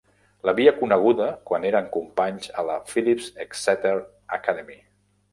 L'havia coneguda quan eren companys a la Phillips Exeter Academy.